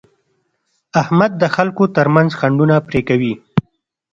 احمد د خلکو ترمنځ خنډونه پرې کوي.